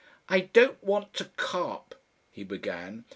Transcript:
"I don't want to carp," he began.